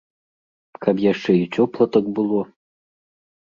Каб яшчэ і цёпла так было.